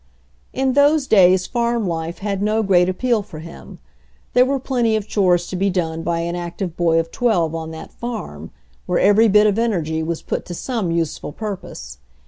In those days farm life had no great appeal for him. There were plenty of chores to be done by an active boy of 12 on that farm, where every bit of energy was put to some useful purpose.